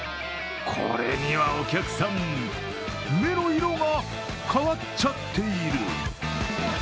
これにはお客さん、目の色が変わっちゃっている。